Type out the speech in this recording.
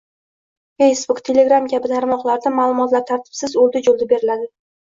Feysbuk, telegramm kabi tarmoqlarda ma’lumotlar tartibsiz, o‘lda-jo‘lda beriladi.